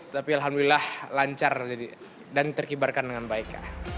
tapi alhamdulillah lancar dan terkibarkan dengan baik